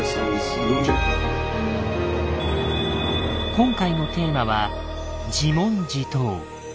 今回のテーマは「自問自答」。